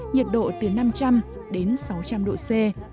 nhiệt độ từ năm trăm linh đến sáu trăm linh độ c